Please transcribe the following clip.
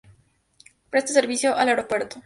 Presta servicio al aeropuerto.